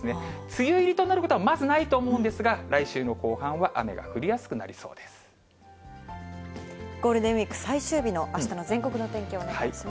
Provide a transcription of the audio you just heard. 梅雨入りとなることはまずないと思うんですが、来週の後半は雨がゴールデンウィーク最終日のあしたの全国のお天気をお願いします。